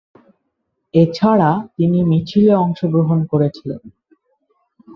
এছাড়া, তিনি মিছিলে অংশগ্রহণ করেছিলেন।